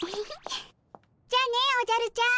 じゃあねおじゃるちゃん。